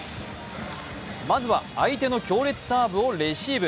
まずは、相手の強烈サーブをレシーブ。